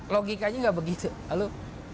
logikanya nggak begitu